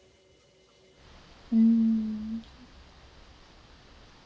うん。